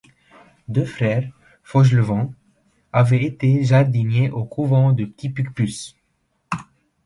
Deux frères Fauchelevent avaient été jardiniers au couvent du Petit-Picpus.